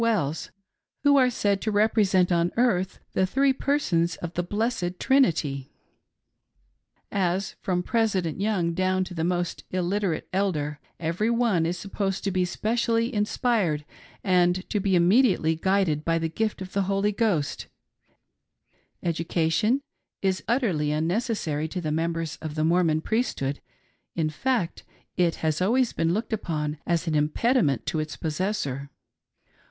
Wells, — who are said to represent on earth the three Persons of the Blessed Trinity !• As, from "President" Young down to the most illiterate "Elder," every one is supposed to be specially inspired, and to be immediately guided by the gift of the Holy Ghost, educa tion is utterly unnecessary to the members of the Mormon Priesthood ; in fact it has always been looked upon as an impediment to its possessor.